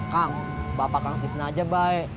kang bapak kang pisnah aja baik